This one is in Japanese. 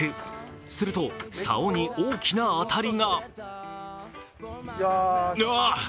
すると、さおに大きな当たりが。